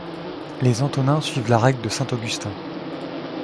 Les Antonins suivent la règle de saint Augustin.